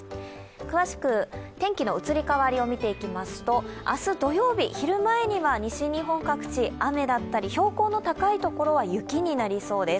詳しく天気の移り変わりを見ていきますと、明日、土曜日昼前には西日本各地雨だったり標高の高い所は雪になりそうです。